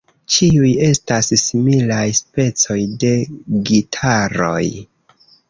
Ĉiuj estas similaj specoj de gitaroj.